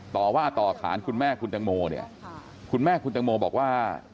ต่อว่าต่อขานคุณแม่คุณตังโมเนี่ยคุณแม่คุณตังโมบอกว่า